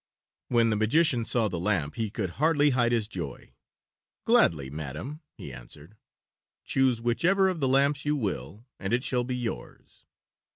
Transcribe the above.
When the magician saw the lamp he could hardly hide his joy. "Gladly, madam," he answered. "Choose whichever of the lamps you will, and it shall be yours."